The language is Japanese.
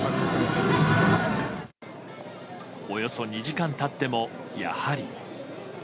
およそ２時間経ってもやはり。